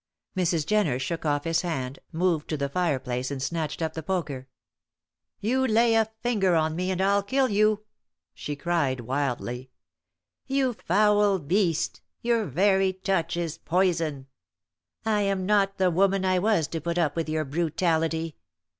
Mrs. Jenner shook off his hand, new to the fireplace and snatched up the poker. "You lay a finger on me, and I'll kill you," she cried, wildly. "You foul beast your very touch is poison. I am not the woman I was to put up with your brutality.